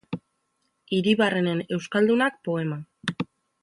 Hiribarrenen Eskaldunak poema.